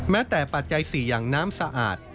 แม้แต่ปัจจัย๔อย่างน้ำสะอาด